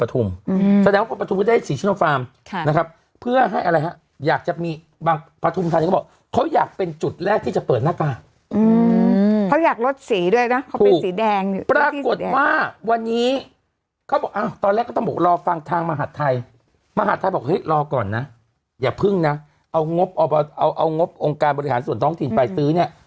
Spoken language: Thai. ถ้าบอกเฮ้ยรอก่อนนะอย่าพึ่งนะเอางบเอาเอาเอางบองค์การบริหารส่วนท้องถิ่นไปซื้อเนี่ย